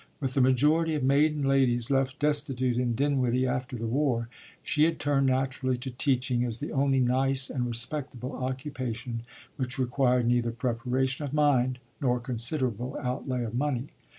With the majority of maiden ladies left destitute in Dinwiddie after the war, she had turned naturally to teaching as the only nice and respectable occupation which required neither preparation of mind nor considerable outlay of money.